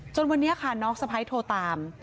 วันนี้ค่ะน้องสะพ้ายโทรตาม